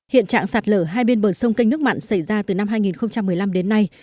hiện trạng sạt lở hai bên bờ sông canh nước mặn xảy ra từ năm hai nghìn một mươi năm đến nay